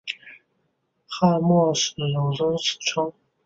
汉朝末年始有此称。